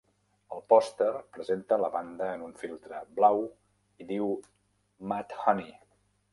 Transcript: El pòster presenta la banda en un filtre blau i diu Mudhoney.